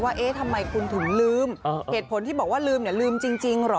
เอ๊ะทำไมคุณถึงลืมเหตุผลที่บอกว่าลืมเนี่ยลืมจริงเหรอ